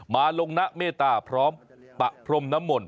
มาลงนะเมตตาพร้อมปะพรมน้ำมนต